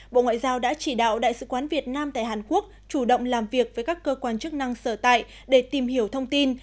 bộ ngoại giao đã chỉ đạo đại sứ quán việt nam tại hàn quốc chủ động làm việc với các cơ quan chức năng sở tại để tìm hiểu thông tin